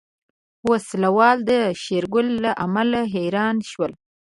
وسله وال د شېرګل له عمل حيران شول.